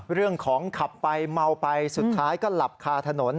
เรื่องของขับไปเมาไปสุดท้ายก็หลับคาถนน